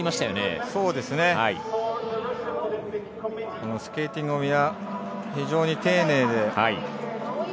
みんな、スケーティングも非常に丁寧で。